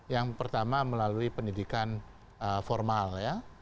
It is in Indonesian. yang pertama melalui pendidikan formal ya